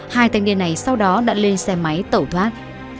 hai tên đêm này sau đó đã lên xe máy tẩu thoát